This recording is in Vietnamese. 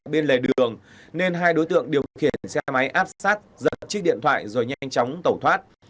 bên lề đường nên hai đối tượng điều khiển xe máy áp sát giật chiếc điện thoại rồi nhanh chóng tẩu thoát